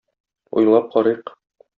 Уйлап карыйк.